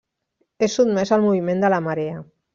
És sotmés al moviment de la marea.